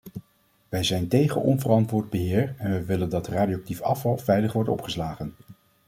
Wij zijn tegen onverantwoord beheer en wij willen dat radioactief afval veilig wordt opgeslagen.